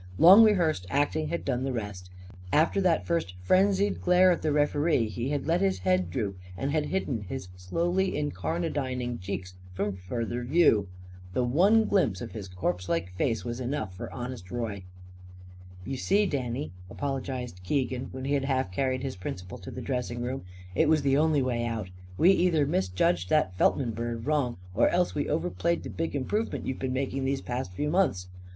Long rehearsed acting had done the rest. After that first frenzied glare at the referee he had let his head droop and had hidden his slowly incarnadining cheeks from further view. The one glimpse of his corpse like face was enough for Honest Roy. "You see, Danny," apologised Keegan, when he had half carried his principal to the dressing room, "it was the only way out. We either misjudged that Feltman bird wrong or else we overplayed the big improvement you've been making these past few months.